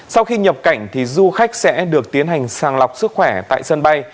sau khi nhập cảnh du khách sẽ được tiến hành sàng lọc sức khỏe tại sân bay